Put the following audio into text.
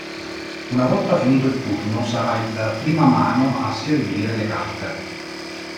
Una volta finito il turno sarà il "prima mano" a servire le carte.